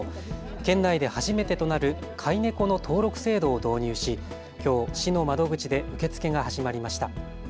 県内で初めてとなる飼いネコの登録制度を導入しきょう市の窓口で受け付けが始まりました。